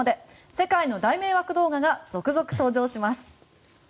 世界の大迷惑動画が続々登場します！